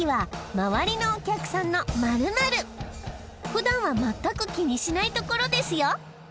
普段は全く気にしないところですよ。